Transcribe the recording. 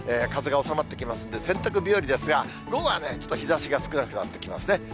風が収まってきますので、洗濯日和ですが、午後はね、ちょっと日ざしが少なくなってきますね。